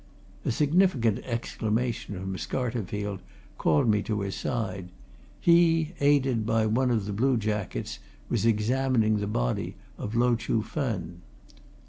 A significant exclamation from Scarterfield called me to his side he, aided by one of the blue jackets, was examining the body of Lo Chuh Fen.